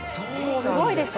すごいでしょ。